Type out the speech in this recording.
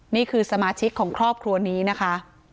นี่คือสมาชิกของครอบครัวนี้นะคะ